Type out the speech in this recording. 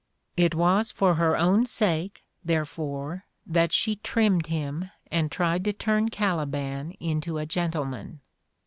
It was for her own sake, there fore, that she trimmed him and tried to turn Caliban into a gentleman.